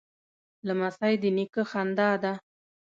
لمسی د نیکه خندا ده.